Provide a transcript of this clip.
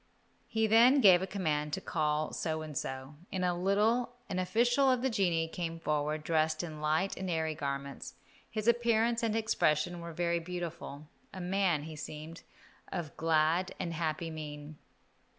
He then gave a command to call So and So. In a little an official of the genii came forward, dressed in light and airy garments. His appearance and expression were very beautiful, a man, he seemed, of glad and happy mien.